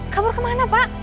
kabur kemana pak